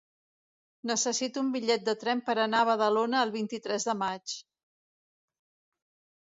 Necessito un bitllet de tren per anar a Badalona el vint-i-tres de maig.